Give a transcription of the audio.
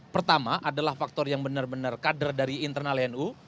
pertama adalah faktor yang benar benar kader dari internal nu